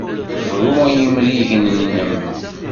Bru i yimrigen-nnem!